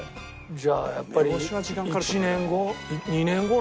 じゃあやっぱり１年後２年後。